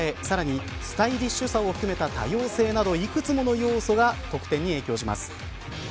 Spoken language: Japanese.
さらに、スタイリッシュさを含めた多様性などいくつもの要素が得点に影響します。